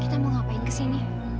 kita mau ngapain kesini